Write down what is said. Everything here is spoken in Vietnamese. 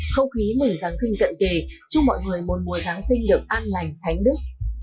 không khí mừng giáng sinh cận kề chúc mọi người một mùa giáng sinh được an lành thánh đức